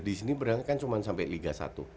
di sini berangkat kan cuma sampai liga satu